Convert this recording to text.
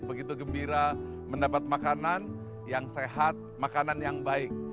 begitu gembira mendapat makanan yang sehat makanan yang baik